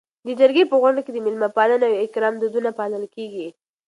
د جرګې په غونډو کي د میلمه پالنې او اکرام دودونه پالل کيږي.